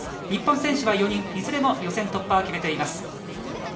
日本選手は４人いずれも予選突破は決めています。